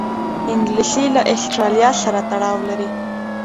انګلیسي له آسټرالیا سره تړاو لري